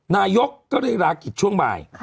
นายกก็เลยลากิจช่วงบ่าย